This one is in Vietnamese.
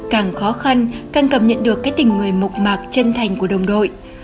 càng khó khăn càng cảm nhận được cái tình người mộc mạc chân thành của đồng đội